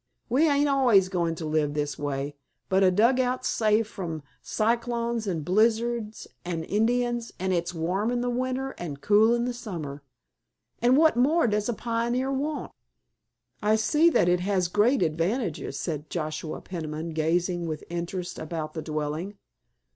We ain't always goin' to live this way, but a dugout's safe from cyclones and blizzards and Indians, an' it's warm in winter an' cool in summer—an' what more does a pioneer want?" "I see that it has great advantages," said Joshua Peniman gazing with interest about the dwelling.